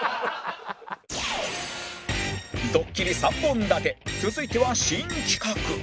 ドッキリ３本立て続いては新企画